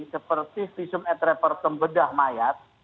seperti visum et repertum bedah mayat